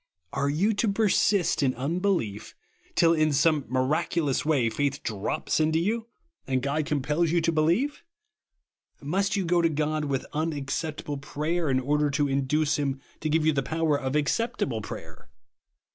Are you to persist in unbelief till in some miraculous way faith drops into you, and God compels you to be lieve? Must you go to God with unac ceptahle prayer, in order to induce him to give you the power of acceptable prayer